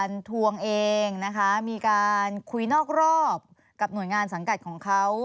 ยังไงขอบคุณนะคะสวัสดีค่ะค่ะ